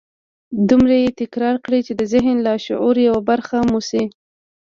دومره يې تکرار کړئ چې د ذهن د لاشعور يوه برخه مو شي.